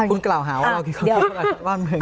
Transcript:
คุณกล่าวหาว่าเราคิดความคิดกับบ้านเมือง